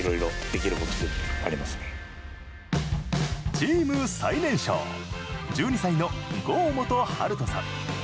チーム最年少、１２歳の郷本春翔さん。